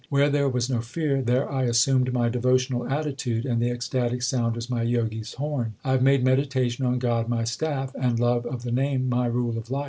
Where there was no fear, there I assumed my devotional attitude, and the ecstatic sound was my Jogi s horn. I have made meditation on God my staff, and love of the Name my rule of life.